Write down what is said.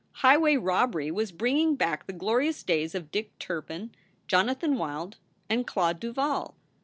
Highway rob bery was bringing back the glorious days of Dick Turpin, Jonathan Wild, and Claude Duval.